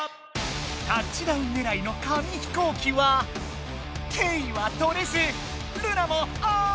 タッチダウンねらいの紙飛行機はケイはとれずルナもあ！